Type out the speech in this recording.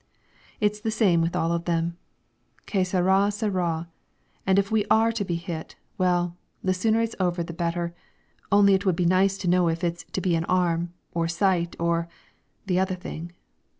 It's the same with all of them. "Che sarà, sarà, and if we are to be hit, well, the sooner it's over the better, only it would be nice to know if it's to be an arm, or sight or the other thing.